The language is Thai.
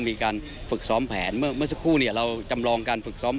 มีการฝึกซ้อมแผนเมื่อสักครู่เราจำลองการฝึกซ้อม